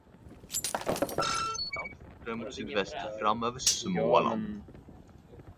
Kråkorna flög allt fortare mot sydväst fram över Småland.